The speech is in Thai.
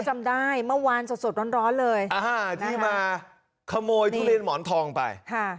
จำได้เมื่อวานสดร้อนเลยที่มาขโมยทุเรียนหมอนทองไป